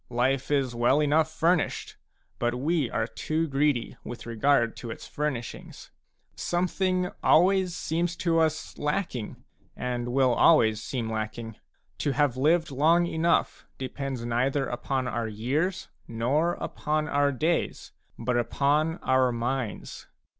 Life is well enough furnished, but we are too greedy with regard to its furnishings ; something always seems to us lacking, and will always seem lacking. To have lived long enough depends neither upon our years nor upon our days, but upon our minds.